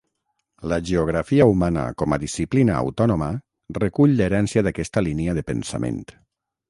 La geografia humana com a disciplina autònoma recull l'herència d'aquesta línia de pensament.